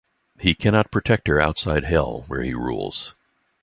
He cannot protect her outside Hell, where he rules.